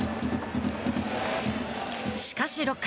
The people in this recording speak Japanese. しかし６回。